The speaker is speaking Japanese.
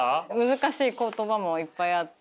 難しい言葉もいっぱいあって。